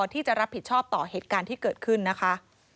ที่จะรับผิดชอบต่อเหตุการณ์ที่เกิดขึ้นนะคะ